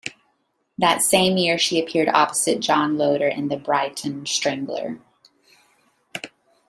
That same year she appeared opposite John Loder in The Brighton Strangler.